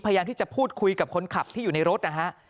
พยายามที่จะพูดคุยกับคนขับที่อยู่ในรถนะฮะ